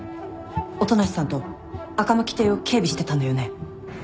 音無さんと赤巻邸を警備してたんだよね？